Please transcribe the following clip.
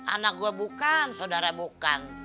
anak gue bukan saudara bukan